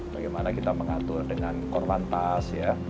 bagaimana kita mengatur dengan korlantas ya